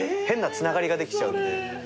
変なつながりができちゃうんで。